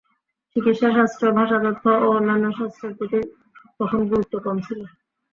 চিকিৎসা শাস্ত্র, ভাষাতত্ত্ব ও অন্যান্য শাস্ত্রের প্রতি তখন গুরুত্ব কম ছিল।